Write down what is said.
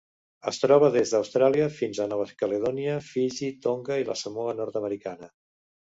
Es troba des d'Austràlia fins a Nova Caledònia, Fiji, Tonga i la Samoa Nord-americana.